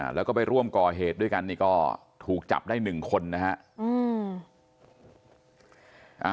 แล้วก็ไปร่วมก่อเหตุด้วยกันนี่ก็ถูกจับได้๑คนนะครับ